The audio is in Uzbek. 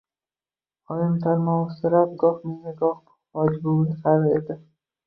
Oyim talmovsirab, goh menga, goh Hoji buviga qarar edi.